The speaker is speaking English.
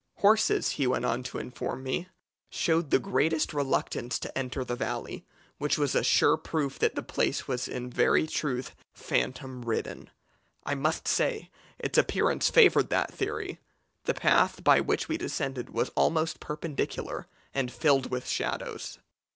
Horses, he went on to inform me, showed the greatest reluctance to enter the valley, which was a sure proof that the place was in very truth phantom ridden. I must say its appearance favoured that theory. The path by which we descended was almost perpendicular, and filled with shadows.